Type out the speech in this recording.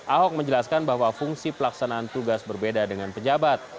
ahok menjelaskan bahwa fungsi pelaksanaan tugas berbeda dengan pejabat